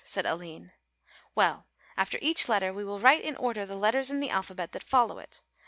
said Aline. "Well, after each letter, we will write in order the letters in the alphabet that follow it.